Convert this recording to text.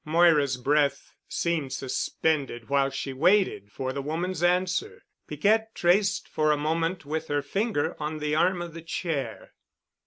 Moira's breath seemed suspended while she waited for the woman's answer. Piquette traced for a moment with her finger on the arm of the chair.